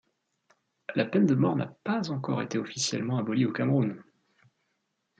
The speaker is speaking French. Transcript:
La peine de mort n'a pas encore été officiellement abolie au Cameroun.